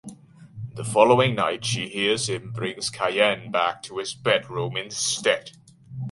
The following night she hears him bring Cayenne back to his bedroom instead.